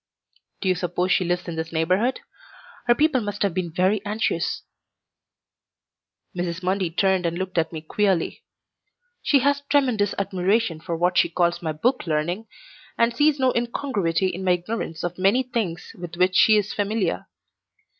"Do you suppose she lives in this neighborhood? Her people must have been very anxious." Mrs. Mundy turned and looked at me queerly. She has tremendous admiration for what she calls my book learning, and sees no incongruity in my ignorance of many things with which she is familiar.